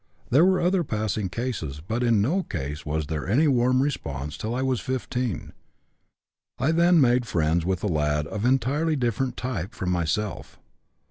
There were other passing cases, but in no case was there any warm response till I was 15. I then made friends with a lad of entirely different type from myself.